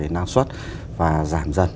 năng suất và giảm dần